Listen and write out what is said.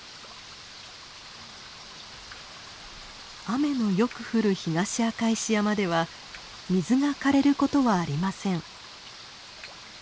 雨のよく降る東赤石山では水がかれることはありません。